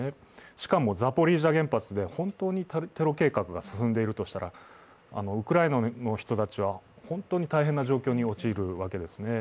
しかもザポリージャ原発で本当にテロ計画が進んでいるとしたら、ウクライナの人たちは本当に大変な状況に陥るわけですね。